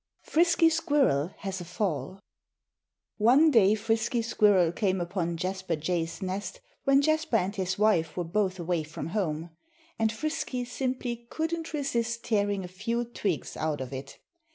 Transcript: II Frisky Squirrel has a Fall One day Frisky Squirrel came upon Jasper Jay's nest when Jasper and his wife were both away from home. And Frisky simply couldn't resist tearing a few twigs out of it.